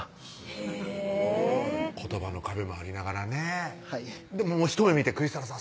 へぇ言葉の壁もありながらねはいひと目見てクリスティナさん